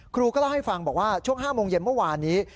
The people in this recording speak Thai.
ครูก็เล่าให้ฟังบอกว่าช่วง๕โมงเย็นเมื่อวานนี้